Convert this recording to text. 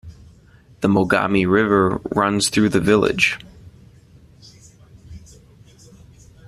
The Mogami River runs through the village.